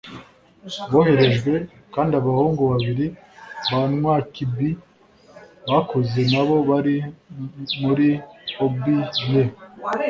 boherejwe, kandi abahungu babiri ba nwakibie bakuze nabo bari muri obi ye